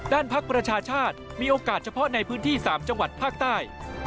ภักดิ์ประชาชาติมีโอกาสเฉพาะในพื้นที่๓จังหวัดภาคใต้